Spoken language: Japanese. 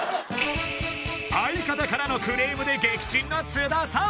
相方からのクレームで撃沈の津田さん